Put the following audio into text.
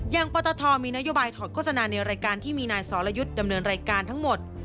ปตทมีนโยบายถอดโฆษณาในรายการที่มีนายสรยุทธ์ดำเนินรายการทั้งหมด